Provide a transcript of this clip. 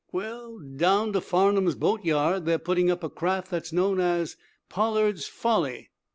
"Well, down to Farnum's boatyard they're putting up a craft that's known as 'Pollard's Folly.'"